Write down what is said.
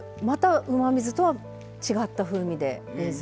またうまみ酢とは違った風味で。